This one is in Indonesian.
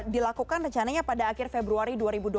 dilakukan rencananya pada akhir februari dua ribu dua puluh